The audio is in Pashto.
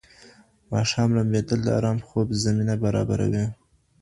ماښام لمبېدل د ارام خوب زمینه برابروي.